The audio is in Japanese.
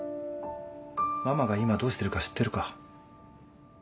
ママが今どうしてるか知ってるか？